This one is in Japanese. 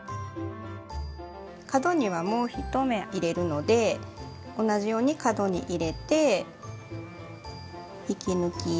角にはもう１目入れるので同じように角に入れて引き抜き。